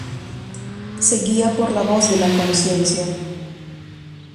Se guía por la voz de la conciencia.